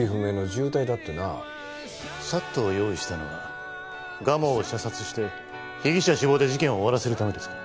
ＳＡＴを用意したのは蒲生を射殺して被疑者死亡で事件を終わらせるためですか？